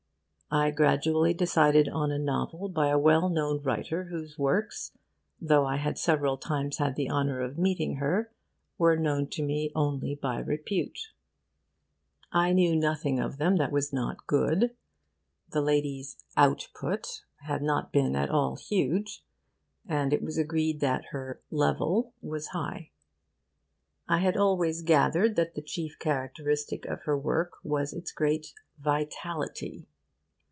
I gradually decided on a novel by a well known writer whose works, though I had several times had the honour of meeting her, were known to me only by repute. I knew nothing of them that was not good. The lady's 'output' had not been at all huge, and it was agreed that her 'level' was high. I had always gathered that the chief characteristic of her work was its great 'vitality.